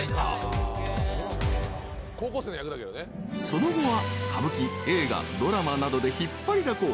［その後は歌舞伎映画ドラマなどで引っ張りだこ］